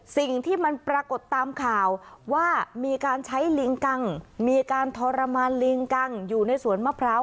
สิ่งที่มันปรากฏตามข่าวว่ามีการใช้ลิงกังมีการทรมานลิงกังอยู่ในสวนมะพร้าว